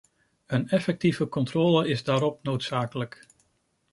Een effectieve controle is daarop noodzakelijk.